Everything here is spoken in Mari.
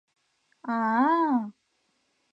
— А-а-а-а...